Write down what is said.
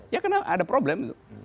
ya karena ada problem itu